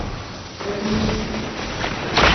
Fakken-iyi-tent.